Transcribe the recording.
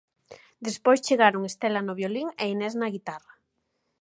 Despois chegaron Estela no violín e Inés na guitarra.